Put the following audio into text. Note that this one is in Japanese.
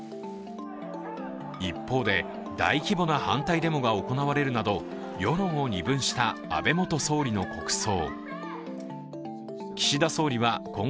一方で、大規模な反対デモが行われるなど世論を二分した安倍元総理の国葬。